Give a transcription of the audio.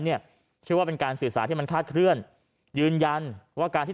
เนี่ยชื่อว่าเป็นการสื่อสารที่มันคาดเคลื่อนยืนยันว่าการที่